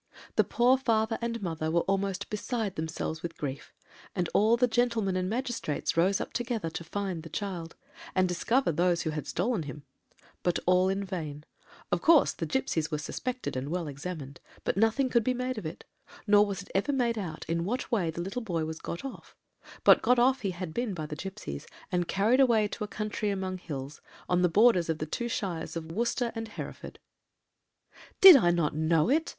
"The poor father and mother were almost beside themselves with grief, and all the gentlemen and magistrates about rose up together to find the child, and discover those who had stolen him, but all in vain; of course, the gipsies were suspected and well examined, but nothing could be made of it; nor was it ever made out in what way the little boy was got off; but got off he had been by the gipsies, and carried away to a country among hills, on the borders of the two shires of Worcester and Hereford." "Did not I know it?"